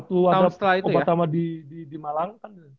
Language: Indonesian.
tahun sembilan puluh dua lah waktu obat sama di malang